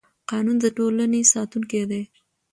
قانون د ټولنې ساتونکی دی